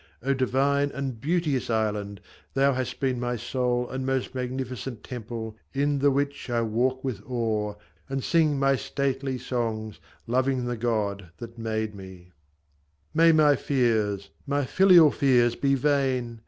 O divine And beauteous island ! thou hast been my sole And most magnificent temple, in the which I walk with awe, and sing my stately songs, Loving the God that made me ! [Image][Image][Image][Image][Image] May my fears, My filial fears, be vain